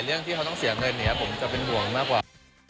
เรื่องที่เขาต้องเสียเงินอย่างนี้ผมจะเป็นห่วงมากกว่า